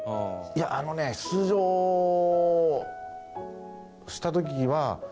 いやあのね出場した時は。